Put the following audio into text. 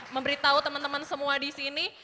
memberitahu teman teman semua disini